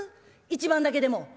一番だけでも」。